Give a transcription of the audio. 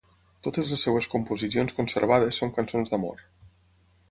Totes les seves composicions conservades són cançons d'amor.